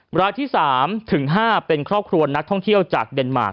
รายที่๓ถึง๕เป็นครอบครัวนักท่องเที่ยวจากเดนมาร์ค